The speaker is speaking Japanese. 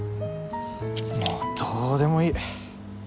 もうどうでもいい。